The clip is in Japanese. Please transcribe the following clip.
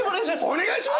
お願いします！